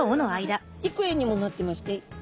はい幾重にもなってまして。